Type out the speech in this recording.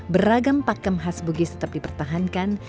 beragam pakem khas bugis tetap dipertahankan